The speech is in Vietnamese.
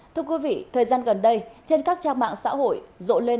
thưa quý vị thời gian gần đây trên các trang mạng xã hội